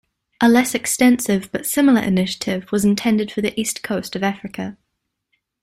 A less extensive but similar initiative was intended for the east coast of Africa.